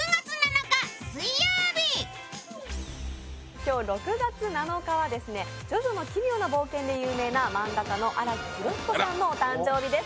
今日６月７日は「ジョジョの奇妙な冒険」で有名な漫画家の荒木飛呂彦さんのお誕生日です。